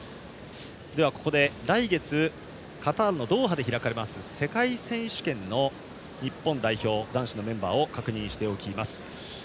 ではここで来月カタールのドーハで開かれる世界選手権の日本代表男子のメンバーを確認しておきます。